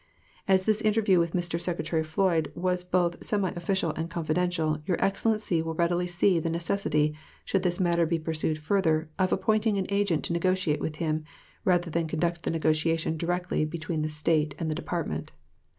As this interview with Mr. Secretary Floyd was both semi official and confidential, your Excellency will readily see the necessity, should this matter be pursued further, of appointing an agent to negotiate with him, rather than conduct the negotiation directly between the State and the Department